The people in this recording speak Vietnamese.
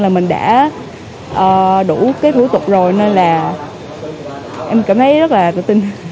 là mình đã đủ cái thủ tục rồi nên là em cảm thấy rất là tự tin